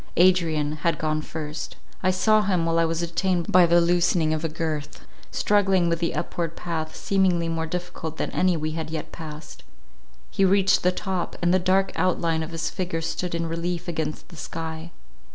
Adrian had gone first. I saw him, while I was detained by the loosening of a girth, struggling with the upward path, seemingly more difficult than any we had yet passed. He reached the top, and the dark outline of his figure stood in relief against the sky.